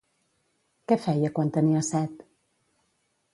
Què feia quan tenia set?